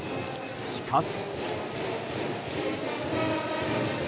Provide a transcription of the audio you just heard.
しかし。